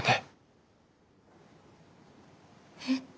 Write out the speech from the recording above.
えっ？